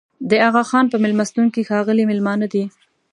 د اغاخان په مېلمستون کې ښاغلي مېلمانه دي.